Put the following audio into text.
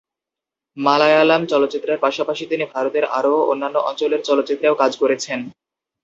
মালায়ালাম চলচ্চিত্রের পাশাপাশি তিনি ভারতের আরও অন্যান্য অঞ্চলের চলচ্চিত্রেও কাজ করেছেন।